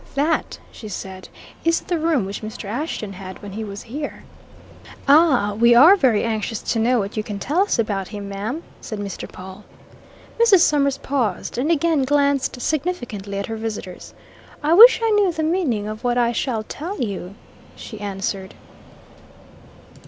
"That," she said, "is the room which Mr. Ashton had when he was here." "Ah! We are very anxious to know what you can tell us about him, ma'am," said Mr. Pawle. Mrs. Summers paused, and again glanced significantly at her visitors. "I wish I knew the meaning of what I shall tell you," she answered.